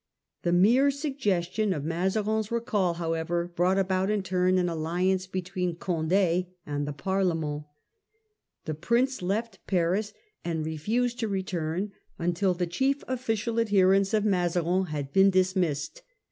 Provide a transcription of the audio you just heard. The mere Frondeurs suggestion of Mazarin's recall however brought against about in turn an alliance between Conde and Cond^ the Parlement. The Prince left Paris and re fused to return until the chief official adherents of Mazarin had been dismissed.